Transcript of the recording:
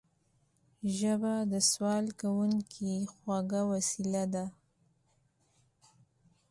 ژبه د سوال کوونکي خوږه وسيله ده